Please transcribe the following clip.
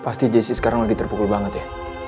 pasti jessi sekarang lagi terpukul banget ya